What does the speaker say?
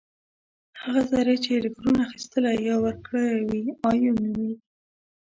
هغه ذرې چې الکترون اخیستلی یا ورکړی وي ایون نومیږي.